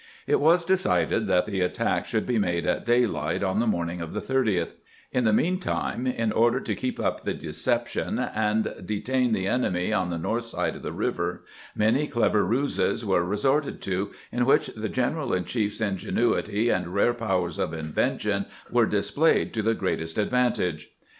It was decided that the attack should be made at day light on the morning of the 30th, In the mean time, in order to keep up the deception and detain the enemy on the north side of the river, many clever ruses were resorted to, in which the general in chief's ingenuity and rare powers of invention were displayed to the greatest PEBPABING THE PETERSBURG MINE 261 advantage.